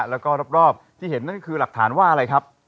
แล้วก็รอบที่เห็นนั่นก็คือหลักฐานว่าอะไรครับ